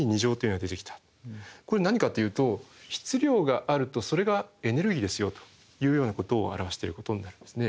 これ何かというと質量があるとそれがエネルギーですよというようなことを表してることになるんですね。